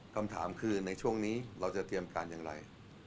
คำถามคือในช่วงนี้เราจะเตรียมการอย่างไร